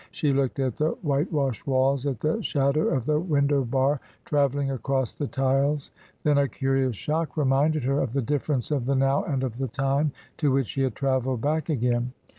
She looked at the white washed walls, at the shadow of the window bar travelling across the tiles; then a curious shock reminded her of the difference of the now and of the time to which she had travelled back again.